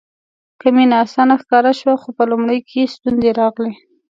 که مینه اسانه ښکاره شوه خو په لومړي کې ستونزې راغلې.